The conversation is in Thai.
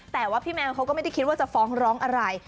แต่ว่าพี่แมวเขาก็ไม่ได้คิดว่าจะฟ้องร้องอะไร